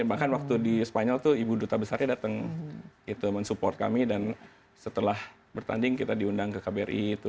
bahkan waktu di spanyol tuh ibu duta besarnya datang itu mensupport kami dan setelah bertanding kita diundang ke kbri itu